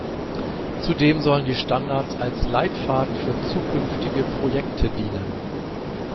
Zudem sollen die Standards als Leitfaden für zukünftige Projekte dienen.